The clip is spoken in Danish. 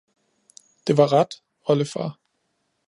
Det var ret, oldefar